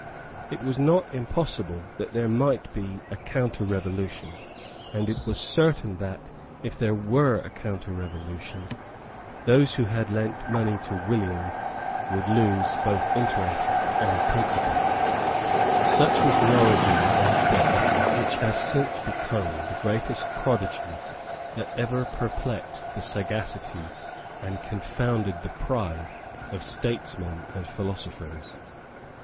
It was not impossible that there might be a counterrevolution; and it was certain that, if there were a counterrevolution, those who had lent money to William would lose both interest and principal. Such was the origin of that debt which has since become the greatest prodigy that ever perplexed the sagacity and confounded the pride of statesmen and philosophers.